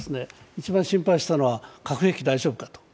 一番心配したのは核兵器大丈夫かと。